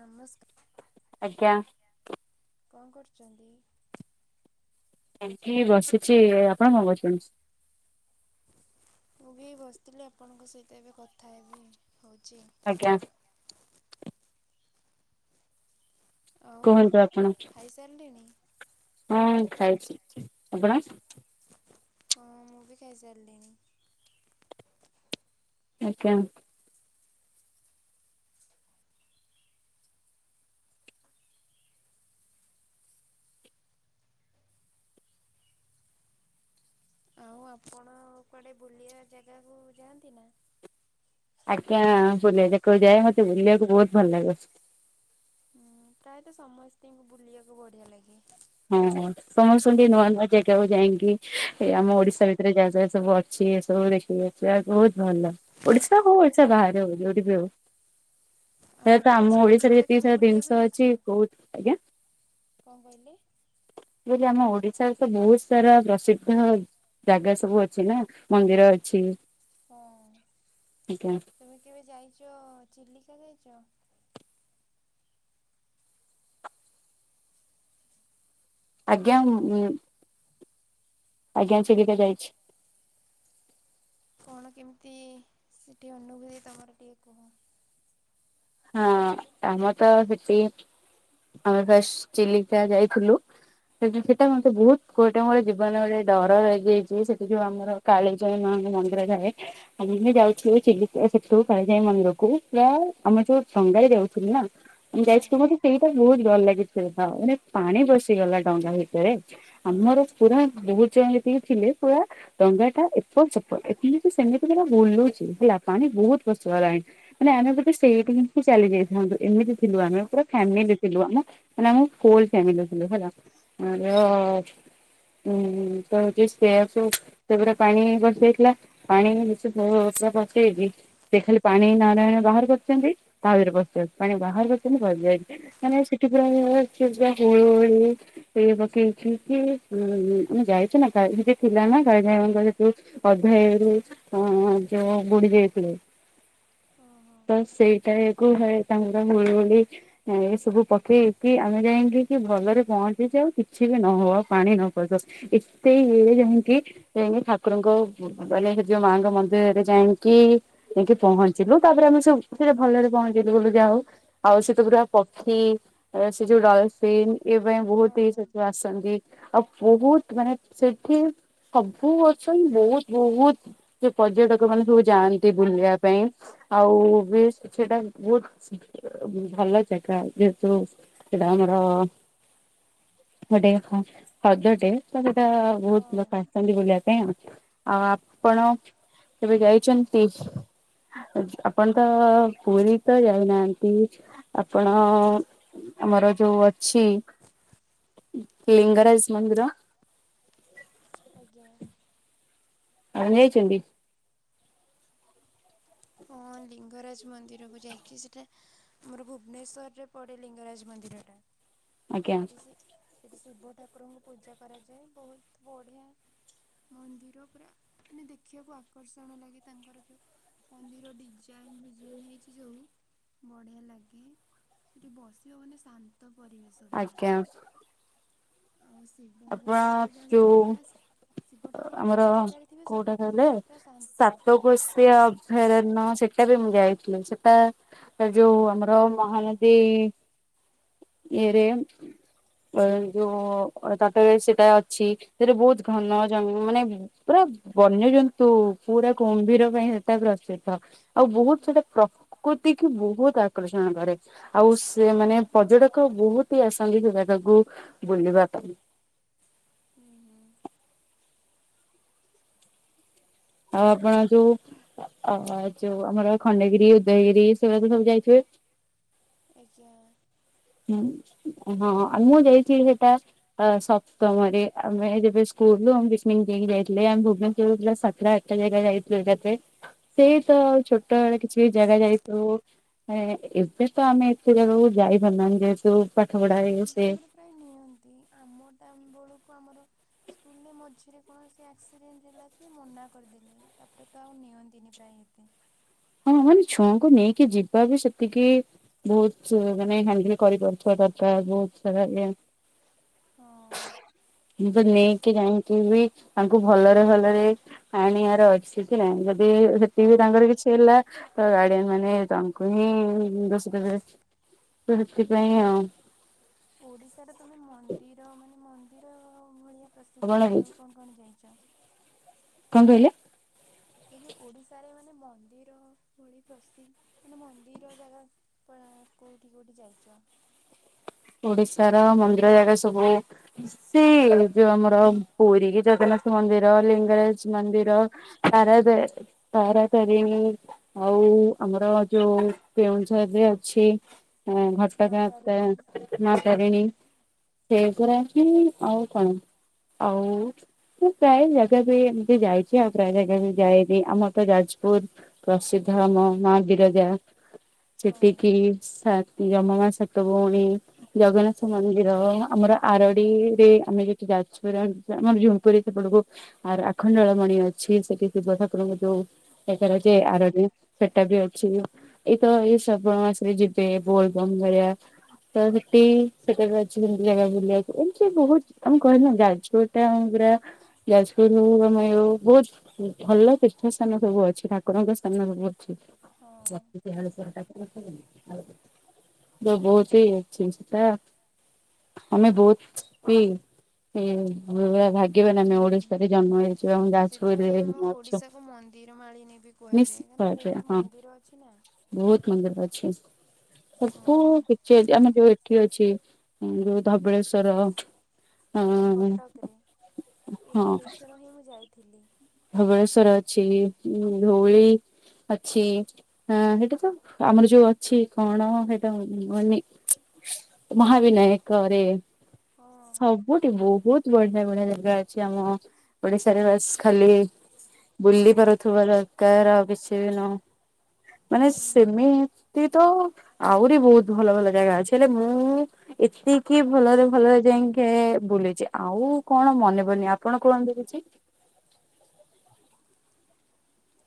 ନମସ୍କାର। ଆଜ୍ଞା। କଣ କରୁଚନ୍ତି? ଏଠି ବସିଚି। ଆପଣ କଣ କରୁଚନ୍ତି? ମୁଁ ବି ବସିଥିଲି। ଆପଣଙ୍କ ସହିତ ଏବେ କଥା ହେବି ହଉଚି ଆଉ। [unintelligible] ଆଉ କୁହନ୍ତୁ ଖାଇସାରିଲେଣି? ହଁ ହଁ ଖାଇଚି। ଆପଣ? ହଁ ମୁଁ ବି ଖାଇସାରିଲିଣି। ଆଜ୍ଞା। ଆଉ ଆପଣ କୁଆଡେ ବୁଲିବା ଜାଗାକୁ ଯାଆନ୍ତି ନା? ଆଜ୍ଞା। ବୁଲିବା ଜାଗା କୁ ଯାଏ ମତେ ବୁଲିବାକୁ ବହୁତ୍ ଭଲ ଲାଗେ। ହୁଁ ପ୍ରାୟତଃ ସମସ୍ତଙ୍କୁ ବୁଲିବାକୁ ବଢ଼ିଆ ଲାଗେ। ହଁ। [unintelligible] ନୂଆ ନୂଆ ଜାଗାକୁ ଯାଇଁକି ଏ ଆମ ଓଡିଶା ଭିତରେ ଯାହା ଯାହା ସବୁ ଅଛି ଏ ସବୁ ଦେଖିବେ। ଯାହା ବହୁତ ଭଲ। ଓଡିଶା ହଉ ଓଡିଶା ହଁ ବାହାରେ ହଉ ଯଉଠି ବି ହଉ ଆଉ ପ୍ରାୟତଃ ତମେ ଆମ ଓଡିଶାରେ ଚିଲିକା ଯେତିକି କେବେ ସାରା ଜିନିଷ ବୁଲିବାକୁ ଯାଇଛ? ଅଛି ବହୁତ ଆଜ୍ଞା। କଣ କହିଲେ? ମୁଁ କହିଲି ଆମ ଓଡିଶାରେ ତ ବହୁତ ସାରା ପ୍ରସିଦ୍ଧ ଜାଗା ସବୁ ଅଛି ନା, ମନ୍ଦିର ଅଛି। ହଁ ଆଜ୍ଞା ତୁମେ କେବେ ଯାଇଛ ଚିଲିକା ଯାଇଛ? ଆଜ୍ଞା ଉଁ ଆଜ୍ଞା ଚିଲିକା ଯାଇଛି। କଣ କେମିତି ସେଠି ଅନୁଭୂତି ତମର ଟିକେ କୁହ? ହଁ ଆମର ତ ସେଠି ଆମେ ଫାଷ୍ଟ ଚିଲିକା ଯାଇଥିଲୁ ସେଇଠି ସେଇଟା ମତେ ବହୁତ ଗୋଟେ ମୋର ଜୀବନରେ ଡର ରହିଯାଇଛି ସେଠି ଯୋଉ ଆମର କାଳିଜାଇ ମାଙ୍କ ମନ୍ଦିର ଯାଏ ଅମେ ବି ଯାଉଛୁ, ଚିଲିକା ସେଠୁ କାଳିଜାଇ ମନ୍ଦିରକୁ [unintelligible] ଆମେ ଯୋଉ ଡ଼ଙ୍ଗାରେ ଯାଉଥିଲୁ ନା, ଆମେ ହଁ ଯାଇଥିବୁ ବୋଧେ ସେଇଟା ହିଁ ବହୁତ ଭଲ ଲାଗେ ଖେଳିଥାଉ ମାନେ ପାଣି ପଶିଗଲା ଡଙ୍ଗା ଭିତରେ। ଆମର ପୁରା, ବହୁତ ଜଣ ଯେତିକି ଥିଲେ, ପୁରା ଡଙ୍ଗାଟା ଏପଟ ସେପଟ, ଏମିତି ସେମିତିକିନା ବୁଲୁଛି, ହେଲା ପାଣି ବହୁତ ପଶିଗଲାଣି। ମାନେ ଆମେ ବୋଧେ ହୁଁ ସେଇଠି ହିଁ ଥିଲୁ ଚାଲି ଯାଇଥାନ୍ତୁ ଏମିତି ଥିଲୁ ଆମେ ପୁରା ଫ୍ୟାମିଲି ଥିଲୁ ଆମ ମାନେ ମୁଁ [unintelligible] ଫ୍ୟାମିଲିରେ ଥିଲେ ହେଲା ଓହୋ [unintelligible] ଉୁଁ [unintelligible] ସେଇଆ ସବୁ ସେଗୁରା ପାଣି ପଶିଯାଇଥିଲା। ପାଣିି [unintelligible] ପକେଇବି ସେ ଖାଲି ପାଣି [unintelligible] ବାହାର କର ସେମତି ତା ଭିତରେ ବସଉଛି, ପାଣି ବାହାରକୁ କେମିତି ବାହାରି ଯାଉଛି? ମାନେ ସେଠି ପୁରା [unintelligible] ହୁଳ ହଳି ସେଇ ପକେଇଛି କି ଉଁ ମୁଁ ଯାଇଛୁ ନା, କାଳିଜାଇ ଥିଲା ନା କାଳିଜାଇମାଙ୍କର। [unintelligible] ଅଧା ଇଏ ରହୁଛି ହଁ ଯୋଉ ବୁଡି ଯାଇଥିଲେ। ହଁ ହଁ ତ ସେଇଟାଏ କୁହେ ତାଙ୍କର ମିଳୁନି ଏଇ ସବୁ ପକେଇକି ଆମେ ଯାଇଁକି କି ଭଲରେ ପହଞ୍ଚିଚି ଯାଉ, କିଛି ବି ନ ହଉ ଆଉ ପାଣି ନ ପଡ଼ୁ। ଏତେ ବେଳେ ଯାଇଁକି ଏଇନେ ଠାକୁରଙ୍କ ମାନେ ହେଇ ଯୋଉ ମାଙ୍କ ମନ୍ଦିରରେ ଯାଇଁକି ଯାଇଁକି ପହଞ୍ଚିଲୁ ତାପରେ ଆମେ ସବୁ ସେଠି ଭଲରେ ପହଞ୍ଚିଗଲୁ ଯା ହଉ, ଆଉ ସେଠୁ ପୁରା ପକ୍ଷୀ ଅ ସେ ଯୋଉ [unintelligible] ସ୍ପେନ ଏ ପାଇଁ ବହୁତ ହି ହଁ ସେଠୁ ଆସ ସେମିତି ଆଉ ବହୁତ ମାନେ ସେଠି ସବୁ [unintelligible] ବହୁତ ବହୁତ ଯୋଉ ପର୍ଯ୍ୟଟକମାନେ ସବୁ ଯାଆନ୍ତି ବୁଲିବା ପାଇଁ ଆଉ ଯୋଉ ସେଟା ବହୁତ ଅ ଭଲ ଜାଗା, ଯେହେତୁ ସେଇଟା ଆମର, [unintelligible] ହଁ ହ୍ରଦ ଟେ ତ ସେଇଟା ବହୁତ ହଁ ଦରକାର ସେମିତି ବୁଲିବା ପାଇଁ ଆଉ ଆଉ ହୁଁ ଆପଣ କେବେ ଯାଇଛନ୍ତି? ଆପଣ ତ ପୁରୀ ତ ଯାଇନାହାନ୍ତି, ଆପଣ ଆମର ଯୋଉ ଅଛି, ଲିଙ୍ଗରାଜ ମନ୍ଦିର ଆଜ୍ଞା। [unintelligible] ଯାଇଚନ୍ତି? ହଁ ଲିଙ୍ଗରାଜ ମନ୍ଦିରକୁ ଯାଇଛି, ସେଇଟା ଆମର ଭୁବନେଶ୍ୱରରେ ପଡ଼େ ଲିଙ୍ଗରାଜ ମନ୍ଦିରଟା। ଆଜ୍ଞା ସେଠି ସେ, ସେଠି ଶିବ ଠାକୁରଙ୍କୁ ପୂଜା କରାଯାଏ ବହୁତ ବଢିଆ ମନ୍ଦିର ପୁରା, ମାନେ ଦେଖିବାକୁ ଆକର୍ଷଣ ଲାଗେ ତାଙ୍କର ଯୋଉ ମନ୍ଦିର ଡିଜାଇନ ଫିଜାଇନ ହେଇଛି ଯୋଉ ବଢ଼ିଆ ଲାଗେ। ସେଠି ବସିବ ମାନେ ଶାନ୍ତ ପରିବେଶ ପୁରା। ଆଜ୍ଞା। ଆଉ ଆପଣ ଶିବଙ୍କର ତ ଜାଣିଚ ଯୋଉ ପୁରାସ୍ ଶିବ ଠାକୁର ଆମର ଯୋଉ ଜାଗାରେ ଥିବେ ସବୁଠି ସେହି ପୁରା ଶାନ୍ତ। ଘୋଷି ଅଭୟାରଣ୍ୟ, ସେଟା ବି ମୁଁ ଯାଇଥିଲି। ସେଟା ସେଟା ଯୋଉ ଆମର ମହାନଦୀ ଇଏ ରେ ଯୋଉ ଅ ତ ଟରେ ସେଟା ଅଛି, ସେତେରେ ବହୁତ ଘନ ହଁ। ଜଙ୍ଗ ମାନେ ପୁରା ବନ୍ୟଜନ୍ତୁ, ପୁରା କୁମ୍ଭୀର ପାଇଁ ସେଟା ପ୍ରସିଦ୍ଧ। ଆଉ ବହୁତ ହୁଁ ସେଟା ପ୍ରକୃତିକୁ ବହୁତ ଆକର୍ଷଣ କରେ। ଆଉ ସେ ମାନେ, ପର୍ଯ୍ୟଟକ ବହୁତ ହି ଆସନ୍ତି ସେ ଜାଗାକୁ ବୁଲିବା ପାଇଁ। ହୁଁ ହୁଁ। ଆଉ ଆପଣ ଯୋଉ ଆ ଯୋଉ ଆମର ଖଣ୍ଡଗିରି, ଉଦୟଗିରି ସେଗୁରା ତ ସବୁ ଯାଇଥିବେ? ଆଜ୍ଞା। ହୁଁ ହଁ, ଆଉ ମୁଁ ଯାଇଥିଲି ସେଟା ଅ ସପ୍ତମ ରେ ଆମେ ଯେବେ ସ୍କୁଲରୁୁ ଆମ ପିକନିକ ନେଇଁକି ଯାଇଥିଲେ, ଆମ ଭୁବନେଶ୍ଵରରୁ ସାତଟା ଯାଏ ଜାଗା ଯାଇଥିଲୁ ଏକାଥରେ, ସେଇ ତ ଛୋଟ ବେଳେ କିଛି ଜାଗା ଯାଇଥିଲୁ। ଏବେ ତ ଆମେ ଏତେ ଜାଗାକୁ ଯାଇପାରୁ ନାହୁଁ ଯେହେତୁ ପାଠ ପଢା ଇଏ ସ୍କୁଲ ସିଏ। ଟାଇମରେ ପ୍ରାୟ ନିଅନ୍ତି, ଆମ ଟାଇମ ବଳୁକୁ ଆମର ସ୍କୁଲରେ ମଝିରେ କଣ ସେ ଆକ୍ସିଡେଣ୍ଟ ହେଲା ଯେ ମନା କରିଦେଲେ, ତାପରେ ତ ଆଉ ନିଅନ୍ତି ନି ପ୍ରାୟ ଏବେ। ହଁ ମାନେ ଛୁଆଙ୍କୁ ନେଇକି ଯିବା ବି ସେତିକି ବହୁତ ମାନେ ହ୍ୟାଣ୍ଡେଲ କରିପାରୁଥିବା ଦରକାର, ବହୁତ ସାରା ଇଏ ହଁ। ମୁଁ ତ ନେଇଁକି ଯାଇଁକି ବି ତାଙ୍କୁ ଭଲରେ, ଭଲରେ ଆଣିଆର ଅଛି କି ନାହିଁ, ଯଦି ସେଠି ହଁ ବି ତାଙ୍କର କିଛି ହେଲା, ତ ଗାଡିଆନ ମାନେ ତାଙ୍କୁ ହିଁ ଦୋଷ ଦେବେ। ତ ସେଥିପାଇଁ ଆଉ। ଓଡିଶାର ତମେ ମନ୍ଦିର ମାନେ ମନ୍ଦିର ଭଳିଆ ପ୍ରସିଦ୍ଧ ଆପଣ ଜାଗା କୁ କଣ କଣ ଯାଇଚ? କଣ କହିଲେ? କହିଲି ଓଡିଶାରେ ମାନେ ମନ୍ଦିର ଭଳି ପ୍ରସି ମାନେ ମନ୍ଦିର ଜାଗା ପଳା କୋଉଠି, କୋଉଠି ଯାଇଚ? ଓଡିଶା ର ମନ୍ଦିର ଜାଗା ସବୁ ସେ ଯୋଉ ଆମର ପୁରୀ ଜଗନ୍ନାଥ ମନ୍ଦିର, ଲିଙ୍ଗରାଜ ମନ୍ଦିର। ତାର ଏବେ ତାରା ତାରିଣୀ। ଆଉ ଆମର ଯୋଉ କେଉଁଝରେ ଅଛି ହଁ ଘଟ ମା ଗାଁ ତା ତାରିଣୀ ମା ହଁ। ତାରିଣୀ। ସେଏଗୁରା ଅଛି ଆଉ କଣ ଆଉ ପ୍ରାୟ ଜାଗା ବି ଏମିତି ଯାଇଛି ଆଉ ପ୍ରାୟ ଜାଗା ବି ଯାଇନି ଆମର ତ ଯାଜପୁର। ପ୍ରସିଦ୍ଧ ଆମ ହୁଁ ମା ବିରଜା। ହଁ ସେତିକି ସାତ ଜମ ମା ସାତ ଭଉଣୀ। ଜଗନ୍ନାଥ ମନ୍ଦିର ଆମର ଆରଡିରେ ଆମେ ଯେହେତୁ ଯାଜପୁର ଆମର ଝୁମ୍ପୁରି ସେପଟକୁ ଆ ଆଖଣ୍ଡଳ ମଣି ଅଛି, ସେଠି ଶିବ ଠାକୁରଙ୍କୁ ଯୋଉ ଏବେର ଯେ ହଁ ଆରଡି, ସେଟା ବି ଅଛି। ଏଇତ ଏଇ ଶ୍ରାବଣ ମାସରେ ଯିବେ ବୋଲବମ ଭଳିଆ। ତ ସେଠି ସେଟା ବି ଅଛି ସେମିତି ଜାଗା ବୁଲିବାକୁ ଏମିତି ବହୁତ ତମେ କହିଲ ନା ଯାଜପୁର ଟା ଆମ ପୁରା ଯାଜପୁର ହଉ ଆମର ଇଏ ହଉ ବହୁତ ଭଲ ତୀର୍ଥସ୍ଥାନ ସବୁ ଅଛି, ଠାକୁରଙ୍କ ସ୍ଥାନ ସବୁ ଅଛି। ହଁ। ଯୋଉ ବହୁତ ହିଁ [inaudible] ଆମେ ବହୁତ। [inaudible] [inaudible] ଭାଗ୍ୟବାନ ଆମେ ହୁଁ ଓଡିଶାରେ ଜନ୍ମ ହେଇ ଯାଜପୁର ସେଥିପାଇଁ ରେ ଆମ ଏଇନା ଅଛୁ, ଓଡ଼ିଶାକୁ ମନ୍ଦିର ମାଳିନୀ ବି କୁହାଯାଏ କାରଣ ବହୁତ [unintelligible] ହଁ। ମନ୍ଦିର ଅଛି ନା। ବହୁତ ମନ୍ଦିର ଅଛି, ହଁ। ସବୁ କିଛି ଅଛି ଆମେ ଯୋଉ ଏଠି ଅଛି ଯୋଉ ଧବଳେଶ୍ଵର। ଅ ହଁ, କଟକରେ ଏଇ ଏଇଥର ହିଁ ମୁଁ ଯାଇଥିଲି। ଧବଳେଶ୍ୱର ଅଛି, ଧଉଳି ଅଛି। ହଁ, ହେଟା ତ ଆମର ଯୋଉ ଅଛି କଣ ସେଇଟା [inaudible] ମହାବିନାୟକ ରେ। ହଁ। ବହୁତି ବହୁତ ବଢିଆ ବଢିଆ ଜାଗା ଅଛି ଆମ ଓଡିଶାରେ, ବାସ୍ ଖା ଖାଲି ବୁଲି ପାରୁଥିବା ଦରକାର, ଆଉ କିଛି ବି ନୁହଁ। ମାନେ ହୁଁ। ସେମିତି ତ ଆହୁରି ବହୁତ ଭଲ ଭଲ ଜାଗା ଅଛି ହେଲେ ମୁଁ ଏତିକି ଭଲରେ ଭଲରେ ଯାଇକି ବୁଲିଛି, ଆଉ କଣ ମନେ ପଡୁନି ଆପଣ କୁହନ୍ତୁ କିଛି।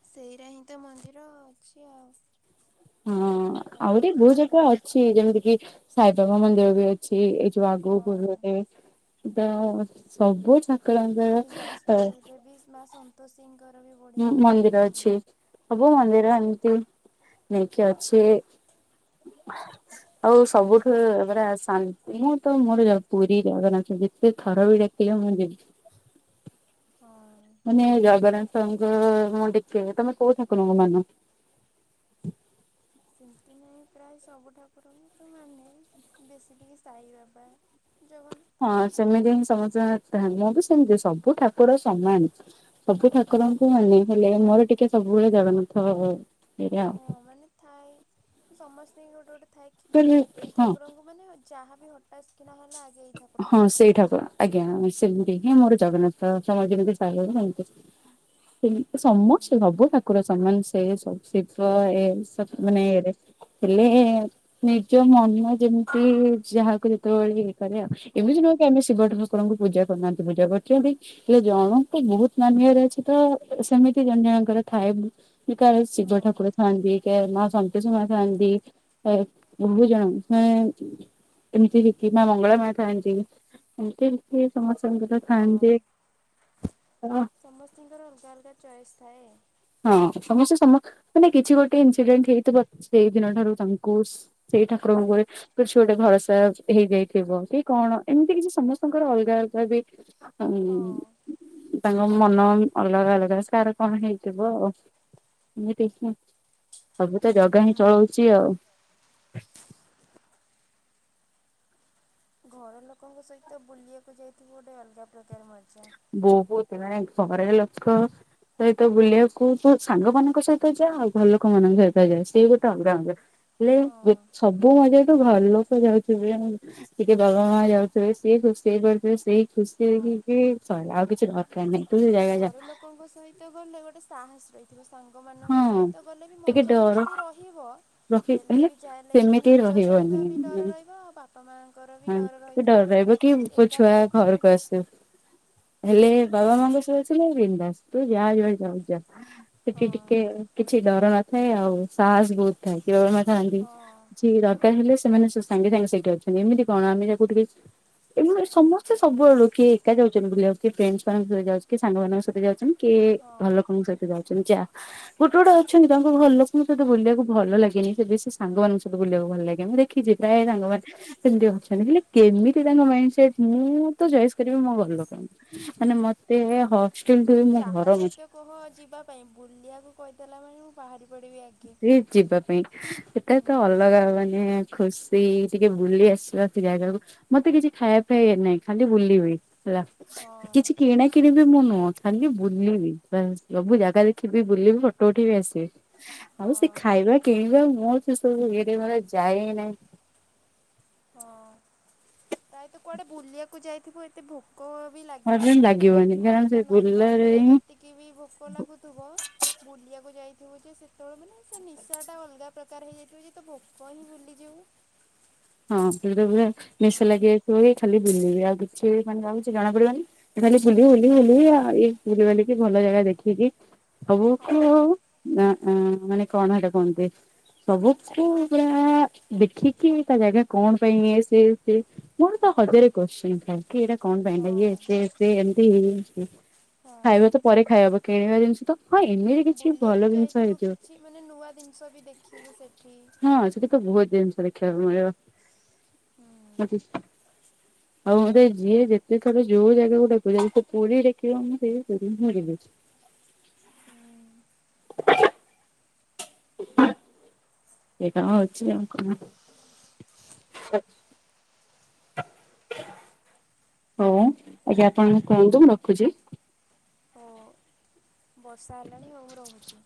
ସେଇଟା ହିଁ ତ ମନ୍ଦିର ଅଛି ଆଉ। ହଁ, ଆପଣ ଆହୁରି ବହୁତ କହିଲେ ଯେ ଜାଗା ଅ ଛି, ଯେମିତି କିି ସାଇବାବା ମନ୍ଦିର ବି ଅଛି, ଏଇ ଯୋଉ ଆଗକୁ ହଁ। ଗଲେ। ଏଇ ତ ସବୁ ଠା ଏଇ ଯାଜପୁରରେ ବି ସ ମା ସନ ତୋଷୀଙ୍କର ବି ବଢିଆ ଜାଗାଟେ ଅଛି, ହଁ। ଥାଇନ୍କ୍ୟୁ! ନେଇକି ଅଛି। ଆଉ ସବୁଠୁ ପୁରା ଶାନ୍ତି ମୁଁ ତ ମୋର ଜ ପୁରୀ ଜଗନ୍ନାଥ ଯେତେ ଥର ବି ଯାଇ ଥିଲେ ମୁଁ ଯିବି। ହଁ। ମାନେ ଜଗନ୍ନାଥଙ୍କୁ ମୁଁ ଟିକେ ତମେ କୋଉ ଠାକୁରଙ୍କୁ ମାନ? ସେମତି ନା ମୁଁ ପ୍ରାୟ ସବୁ ଠାକୁରଙ୍କୁ ତ ମାନେ ବେଶୀ ଟିକେ ସାଇ ବାବା, ଜଗନ ହଁ, ସେମିତି ହିଁ ସମସ୍ତେ [inaudible] ମୁଁ ବି ସେମିତି ସବୁ ଠାକୁର ସମାନ। ସବୁ ହୁଁ ଠାକୁରଙ୍କୁ ମାନେ ହେଲେ ମୋର ଟିକେ ସବୁବେଳେ ଜଗନ୍ନାଥ ଏଇଆ ଆଉ। ହଁ ମାନେ ଥାଏ ସମସ୍ତେ ଗୋଟେ ଗୋଟେ ଥାଏ କି ଏଇ ହଁ ଠାକୁରଙ୍କୁ ମାନେ ଯାହାବି ହଠାତ୍ କିନା ହେଲା ଆଗେ ଏଇ ଠାକୁରଙ୍କୁ ହଁ, ସେଇ ଡାକିବେ। ଠାକୁର। ଆଜ୍ଞା, ସେମିତି ହିଁ ମୋର ଜଗନ୍ନାଥ ତମର ଯେମିତି ସାଇ ବାବା ସେମିତି। ସେମିତି ତ ହୁଁ ସମସ୍ତେ ସବୁ ଠାକୁର ସମାନ, ସେ ସବୁ ଶିବ ଏ ସବୁ ହଁ ମାନେ ଏରେ। ହେଲେ ନିଜ ମନ ଯେମିତି ଯାହାକୁ ଯେତେବେଳେ କରେ ଆଉ, ହଁ ଏମିତି ନୁହେଁ କି ଆମେ ଶିବ ଠାକୁରଙ୍କୁ ପୂଜା କରୁନାହାନ୍ତି, ପୂଜା କରୁଛନ୍ତି। ହେଲେ ଜଣଙ୍କୁ ବହୁତ ମାନିବାର ଅଛି ତ ସେମିତି ଜଣ ଜଣଙ୍କର ଥାଏ। କାହାର ହଁ ଶିବ ଠାକୁର ଥାଆନ୍ତି, କାହାର ମା ସନ୍ତୋଷୀ ମା ଥାଆନ୍ତି। ଥାଏ ବହୁତ ଜଣ ଥାଏ, ଏମିତି କି କି ମା ମଙ୍ଗଳା ମା ଥାଆନ୍ତି, ଏମିତି ଏମିତି ସମସ୍ତଙ୍କର ଥାଆନ୍ତି। [inaudible] ହଁ। ସମସ୍ତଙ୍କର ଅଲଗା ଅଲଗା ଚଏସ୍ ଥାଏ। ହଁ ସମସ୍ତେ ସମ ମାନେ କିଛି ଗୋଟେ ଇନସିଡେଣ୍ଟ ହେଇଥିବ ସେଇ ଦିନଠାରୁ ତାଙ୍କୁ ସେଇ ଠାକୁରଙ୍କୁ ସେ କହେ କିଛି ଗୋଟେ ଭରସା ହେଇଯାଇଥିବ କି କଅଣ ଏମିତି କିଛି ସମସ୍ତଙ୍କର ଅଲଗା ଅଲଗା ବି ହଁ ହୁଁ ତାଙ୍କ ମନ ଅଲଗା ଅଲଗା ସେ କାର କଣ ହେଇ ଥିବ ଆଉ ଏମିତି ମୁଁ ସବୁ ତ ଜାଗା ହିଁ ହୁଁ। ଚଳୋଉଚି ଆଉ। ଘର ଲୋକଙ୍କ ସହିତ ବୁଲିବାକୁ ଯାଇଥିବୁ ଗୋଟେ ଅଲଗା ପ୍ରକାର ମଜା। ବୋଉ କୋହୁଥିଲା ନାଇଁ ସହରରେ ଲୋକ ସହିତ ବୁଲିବାକୁ ତ ସାଙ୍ଗମାନଙ୍କ ସହିତ ଯାଏ ଆଉ ଘର ଲୋକମାନାନଙ୍କ ସହିତ ଯାଏ ସେ ବି ତ ଅଲଗା ମଜା। ହେଲେ ବି ହଁ ସବୁ ମଜାଠୁ ଘରଲୋକ ଯାଉଥୁବେ ଟିକେ ବାବାମାଆ ଯାଉଥୁବେ ସିଏ ଖୁସି ହେଇପାରୁଥୁବେ ସେଇ ଖୁସି ହଁ। ଦେଖିକି ସଇଲା ଆଉ କିଛି ଦରକାର ନାଇଁ ତୁ ସେ ଜାଗା ଯା ଘର ଲୋକଙ୍କ ସହିତ ଗଲେ ଗୋଟେ ସାହସ ରହି ଥିବ ସାଙ୍ଗମାନଙ୍କ ହଁ ସହିତ ଗଲେ ବି ଟିକେ ଡର ମଜାମସ୍ତି ରହିବ ରଖି ହେଲେ ବି ଯାହେଲେ ବି ସେମିତି ନିଜ ରହିବନି ସହିତ ବି ଡର ରହିବ ଆଉ ବାପା ମାଆଙ୍କର ବି ଡର ଟିକେ ରହିଥିବ। ରହିବ କି ଯିଏ ମୋ ଏକା ଛୁଆ ଯାଇଚି ଘରକୁ ଆସୁ ହେଲେ ବାବା ମାଆଙ୍କ ସହିତ ଥିଲେ ବିନ୍ଦାସ ତୁ ଯାଆ ଯୁଆଡେ ଯାଉ ଯାଆ ହଁ ସେଠିି ଟି କିଛି ଡର ନଥାଏ ଆଉ ସାହସ ବୋହୁତ ଥାଏ କି ବାବାମାଆ ଥାଆନ୍ତି ହଁ କିଛି ବି ଦର କାର ହେଲେ ସେମାନେ ସେ ସାଙ୍ଗେ ସାଙ୍ଗେ ସେଇଠି ଅଛନ୍ତି ଏମିତି କଣ ଆମେ ଯାକୁ ଟିକେ ଏ ମା ସମସ୍ତେ ସବୁ ଆଡୁ ଲୋ ଏକା ଯାଉଚନ୍ତି ବୁଲିିବାକୁ କିଏ ଫ୍ରେଣ୍ଡସମାନଙ୍କ ସହିତ ଯାଉଚି କିଏ ସାଙ୍ଗମାନଙ୍କ ସହିତ ଯାଉଛନ୍ତି। କିଏ ହଁ ଘର ଲୋକଙ୍କ ସହିତ ଯାଉଚନ୍ତି ଯାଆ। ଗୋଟେ ଗୋଟେ ଅଛନ୍ତି ତାଙ୍କ ଘର ଲୋକଙ୍କ ସହିତ ବୁଲିବାକୁ ଭଲ ଲାଗେନି ସେ ବେଶୀ ସାଙ୍ଗମାନଙ୍କ ସହିତ ବୁଲିବାକୁ ଭଲ ଲାଗେ ମୁଁ ଦେ ଖିଚି ପ୍ରାୟ ସାଙ୍ଗମାନେ ସେମତି ଅଛନ୍ତି ହେଲେ କେମିତି ହଁ। ତାଙ୍କ ମାଇଣ୍ଡ ସେଟ ମୁଁ ତ ଚଏସ୍ କରିବି ମୋ ଘରଲୋକ। ମାନେ ମତେ ଏ ହଷ୍ଟେଲଠୁ ବି ମୋ ଘର ବୁଝି ଓହୋ ଯିବା ପାଇଁ ବୁଲିବାକୁ କହିଦେଲା ମାନେ ମୁଁ ବାହାରି ପଡିବି ଆ ବି ଯିବା ପାଇଁ ସେଟା ତ ଅଲଗା ମାନେ ଖୁସ୍ ସି ଟିକେ ବୁଲି ଆସିବା ସେ ଜାଗାକୁ ମତେ କିଛି ଖାଇବା ଫାଇବା ନାଇଁ ଖାଲି ବୁଲିବି ହେଲା। ହଁ କିଛି କିଣା କିଣିବେ ମୁଁ ନୁହଁ ଖାଲି ବୁଲିବି ବାସ୍ ସବୁ ଜାଗା ଦେଖିବି, ବୁଲିବି, ଫଟୋ ଉଠେଇ ଆସିବି। ହଁ ଆଉ ସେ ଖାଇବା କିଣିବା ମୋର ସେ ସବୁ ଇଏରେ ମାନେ ଯାଏ ହି ନାହିଁ। ହଁ କାଇଁ ତୁ କୁଆଡେ ବୁଲିବାକୁ ଯାଇ ଥିବୁ ଏତେ ଭୋକ ବି ଲାଗେନି ମତେ ମାନେ ଲାଗିବନି କାରଣ ସେ ଅଲଗା ବୁଲାରେ ନର୍ମାଲରେ ହିଁ ଯେତି କିବି ଭୋକ ଲାଗୁଥୁବ ବୁଲିବାକୁ ଯାଇଥିବୁ ଯେ ସେତେବେଳେ ମାନେ ସେ ନିଶାଟା ଅଲଗା ପ୍ରକାର ହେଇଯାଇଥିବ ଯେ ତୁ ଭୋକ ହିଁ ଭୁଲିଯିବୁ। ହଁ ସେଇଟା ପୁରା ନିଶ ହଁ ଲାଗି ଯାଇଥିବ ଏ ଖାଲି ବୁଲିବି ଆଉ କିଛି ମାନେ ଆଉ କିଛି ଜଣା ପଡିବନି। ତୁ ଖାଲି ବୁଲିବି ବୁଲିବି ବୁଲିବି ଆଉ ଏଇ ବୁଲି ବାଲିିକି ଭଲ ଜାଗା ଦେଖିକି ହଁ ସବୁକୁ ଆଉ ନାଆ ମାନେ କଣ ହେଟା କୁହନ୍ତି ସବୁକୁ ପୁରା ଦେଖିକି ତା ଜାଗା କଣ ପାଇଁ ଇଏ ସେ ସେ ମୋର ତ ହଜାରେ କୋଶ୍ଚେନ୍ ଥାଏ। କି ଏଟା କଣ ପାଇଁ ହଁ ହେଲା ଇଏ ସିଏ ସିଏ ଏମତି [unintelligible] ଖାଇବା ତ ହଁ ପରେ ଖାଇ ହବ କିଣିବା ଜିନଷ ତ ହଁ ଏମି ବୁଲିବାକୁ ଯାଇଥିବୁ କିଛି ମାନେ ନୂଆ ଦିନଷ ବି ଦେଖିବୁ ସେଠି। ହଁ ସେଠି ତ ବୋହୁତ ଜିନଷ ଦେଖିବାକୁ ମିଳିବ ହୁଁ। ମୋର କିଛି ଆଉ ମତେ ଯିଏ ଯେତେ ଥର ଯୋଉ ଜାଗାକୁ ଡାକୁଚନ୍ତି ସେ ପୁରୀ ଡ଼ାକିବ ମାନେ ସେଇ ପୁରୀ ହିଁ ଯିବି। ହୁଁ। [inaudible] ଏଇ କାମ ଅଛି ଆଉ କଣ? ସଚ୍ ହଉ ଆଜ୍ଞା ଆପଣ [unintelligible] କୁହନ୍ତୁ ମୁଁ ରଖୁଛି। ହୋ ବର୍ଷା ହେଲାଣି ହଉ ମୁଁ ରହୁଛି।